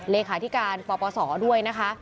เลขาธิการปปศด้วยนะคะ